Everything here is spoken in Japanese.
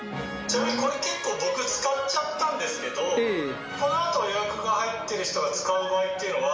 ちなみにこれ結構僕使っちゃったんですけどこのあと予約が入ってる人が使う場合っていうのは。